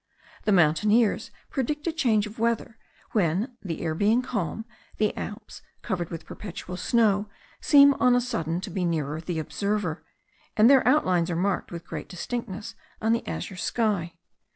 The mountaineers predict a change of weather, when, the air being calm, the Alps covered with perpetual snow seem on a sudden to be nearer the observer, and their outlines are marked with great distinctness on the azure sky.